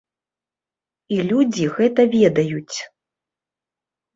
І людзі гэта ведаюць.